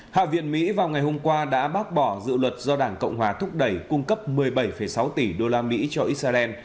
hạ viện mỹ vào ngày hôm qua đã bác bỏ dự luật do đảng cộng hòa thúc đẩy cung cấp một mươi bảy sáu tỷ usd cho israel